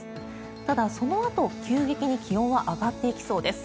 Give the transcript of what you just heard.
ただ、そのあと急激に気温は上がっていきそうです。